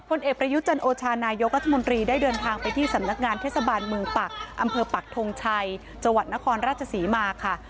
เอกประยุจันโอชานายกรัฐมนตรีได้เดินทางไปที่สำนักงานเทศบาลเมืองปักอำเภอปักทงชัยจังหวัดนครราชศรีมาค่ะ